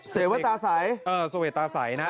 เศวะตาใส